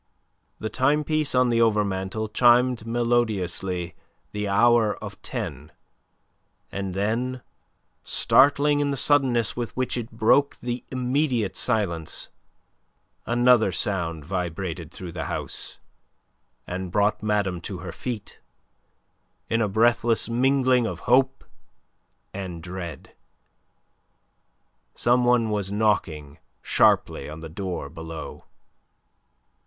The timepiece on the overmantel chimed melodiously the hour of ten, and then, startling in the suddenness with which it broke the immediate silence, another sound vibrated through the house, and brought madame to her feet, in a breathless mingling of hope and dread. Some one was knocking sharply on the door below.